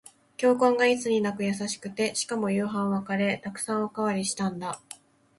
教官がいつになく優しくて、しかも夕飯はカレー。沢山おかわりしたんだ。